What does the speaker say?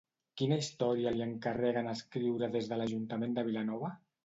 Quina història li encarreguen escriure des de l'Ajuntament de Vilanova?